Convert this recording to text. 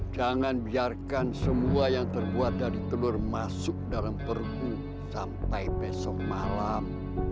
jangan biarkan semua yang terbuat dari telur masuk dalam pergu sampai besok malam